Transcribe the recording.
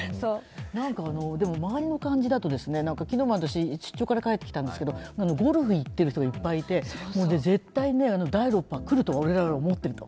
周りの感じだと、昨日も私、出張から帰ってきたんですけど、ゴルフに行っている人がいっぱいして、絶対に第６波は来ると我々は思っていると。